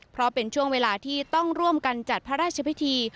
เพราะเป็นช่วงเวลาที่ต้องร่วมกันจัดพระราชพิธี